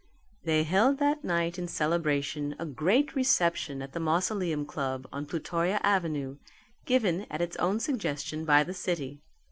They held that night in celebration a great reception at the Mausoleum Club on Plutoria Avenue, given at its own suggestion by the city.